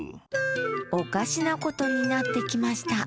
おかしなことになってきました